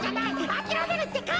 あきらめるってか。